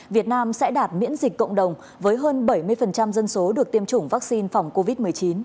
việt nam sẽ đạt miễn dịch cộng đồng với hơn bảy mươi dân số được tiêm chủng vaccine phòng covid một mươi chín